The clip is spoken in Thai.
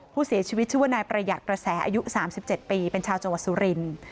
ผู้เสียชีวิตชื่อว่านายประหยัดกระแสอายุ๓๗ปีเป็นชาวจังหวัดสุรินทร์